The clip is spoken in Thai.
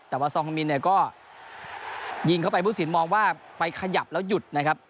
แต่ว่าซองฮามินเนี่ยก็ยิงเข้าไปผู้สินมองว่าไปขยับแล้วหยุดนะครับ